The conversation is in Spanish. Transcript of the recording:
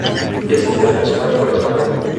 Es internacional con España.